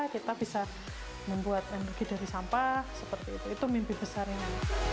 kita bisa membuat energi dari sampah seperti itu itu mimpi besar ini